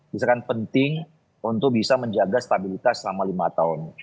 misalkan penting untuk bisa menjaga stabilitas selama lima tahun